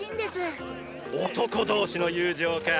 男同士の友情か！